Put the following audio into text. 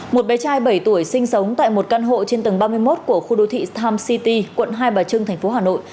một bé trai bảy tuổi sinh sống tại một căn hộ trên tầng ba mươi một của khu đô thị tham city quận hai bà trưng tp hà nội